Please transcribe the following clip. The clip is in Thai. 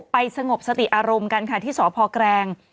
สงบสติอารมณ์กันค่ะที่สพแกรง